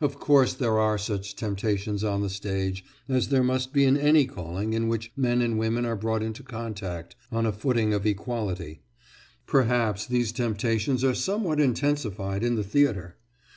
Of course there are such temptations on the stage, as there must be in any calling in which men and women are brought into contact on a footing of equality; perhaps these temptations are somewhat intensified in the theatre.